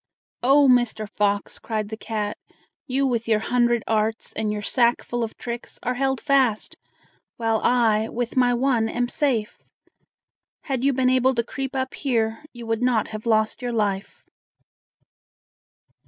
"Oh, Mr. Fox!" cried the cat, "you with your hundred arts, and your sackful of tricks, are held fast, while I, with my one, am safe. Had you been able to creep up here, you would not have lost you life."